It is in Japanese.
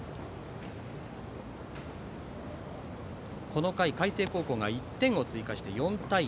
この回、海星高校が１点を追加して４対０。